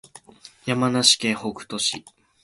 山梨県北杜市